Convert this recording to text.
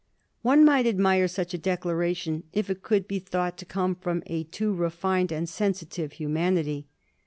One might admire such a declaration if it could be thought to come from a too refined and sensi tive humanity.